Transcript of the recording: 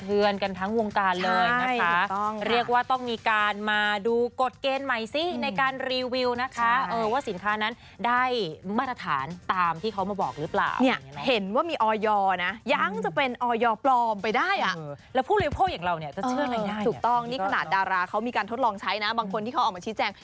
อืมถูกต้องนี่ขนาดดาราเค้ามีการทดลองใช้นะบางคนที่เค้าออกมาชี้แจ๊ง